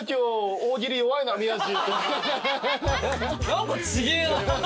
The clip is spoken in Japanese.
何か違え。